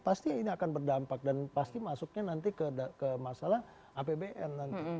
pasti ini akan berdampak dan pasti masuknya nanti ke masalah apbn nanti